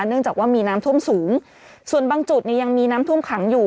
เนื่องจากว่ามีน้ำท่วมสูงส่วนบางจุดเนี่ยยังมีน้ำท่วมขังอยู่